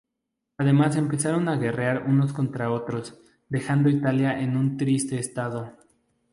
Además empezaron a guerrear unos contra otros, dejando a Italia en un triste estado.